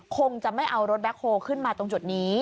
คงจะไม่เอารถแบ็คโฮลขึ้นมาตรงจุดนี้